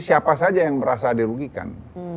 siapa saja yang merasa dirugikan